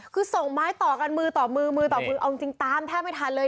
คือส่งไม้ต่อกันมือต่อมือมือต่อมือเอาจริงตามแทบไม่ทันเลย